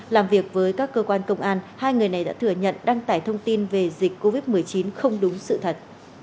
làm việc với các cơ quan công an hai người này đã thừa nhận đăng tải thông tin về dịch covid một mươi chín không đúng sự thật